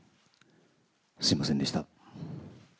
すみませんでした。